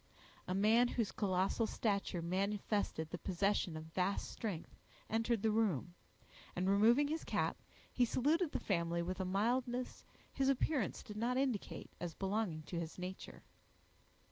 A man, whose colossal stature manifested the possession of vast strength, entered the room, and removing his cap, he saluted the family with a mildness his appearance did not indicate as belonging to his nature.